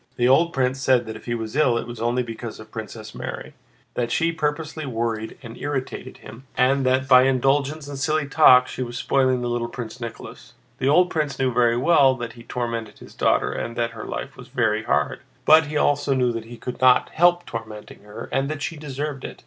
The old prince said that if he was ill it was only because of Princess Mary: that she purposely worried and irritated him, and that by indulgence and silly talk she was spoiling little Prince Nicholas. The old prince knew very well that he tormented his daughter and that her life was very hard, but he also knew that he could not help tormenting her and that she deserved it.